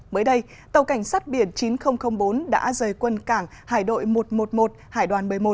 mới đây tàu cảnh sát biển chín nghìn bốn đã rời quân cảng hải đội một trăm một mươi một hải đoàn một mươi một